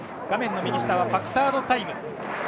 画面の右下はファクタードタイム。